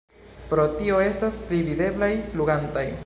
Pro tio estas pli videblaj flugantaj.